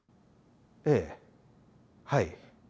ええはい。